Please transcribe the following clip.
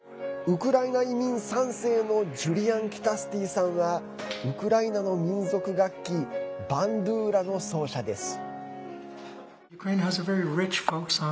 ウクライナ移民３世のジュリアン・キタスティーさんはウクライナの民族楽器バンドゥーラの奏者です。